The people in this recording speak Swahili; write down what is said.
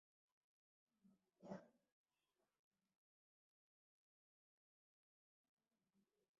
Taasisi ya ufundi Meru na Chuo cha Teknolojia ya Meru ambazo ndizo kuu.